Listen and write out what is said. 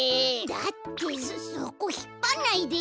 だってそそこひっぱんないで。